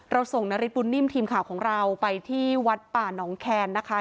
ส่งนฤทธบุญนิ่มทีมข่าวของเราไปที่วัดป่านองแคนนะคะ